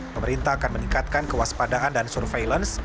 pemerintah akan meningkatkan kewaspadaan dan surveillance